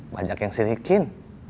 banyak yang sirikin